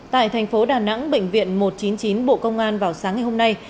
tại thành phố đà nẵng bệnh viện một trăm chín mươi chín bộ công an vào sáng ngày hôm nay